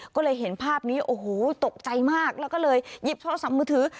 ก็เลยเห็นภาพนี้โอ้โหตกใจมากแล้วก็เลยหยิบโทรศัพท์มือถือ